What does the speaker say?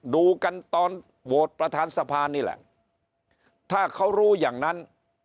ดูกันตอนโหวตประธานสภานี่แหละถ้าเขารู้อย่างนั้น